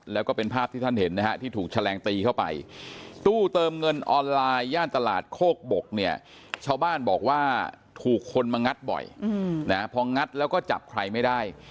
แต่ว่าถูกคนมางัดบ่อยนะฮะพองัดแล้วก็จับใครไม่ได้